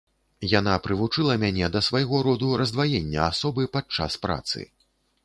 Яна прывучыла мяне да свайго роду раздваення асобы падчас працы.